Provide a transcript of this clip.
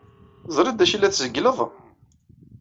Teẓrid d acu ay la tzeggled?